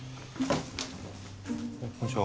こんにちは。